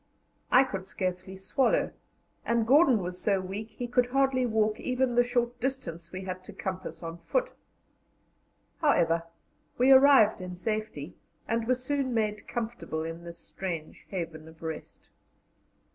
I could scarcely swallow, and Gordon was so weak he could hardly walk even the short distance we had to compass on foot. However, we arrived in safety, and were soon made comfortable in this strange haven of rest.